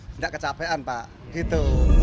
tidak kecapean pak gitu